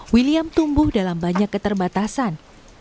william tumbuh dalam banyak keterbatasan